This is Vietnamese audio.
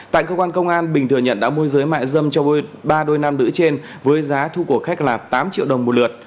tại cơ quan công an bình thừa nhận đã môi giới mại dâm cho ba đôi nam nữ trên với giá thu của khách là tám triệu đồng một lượt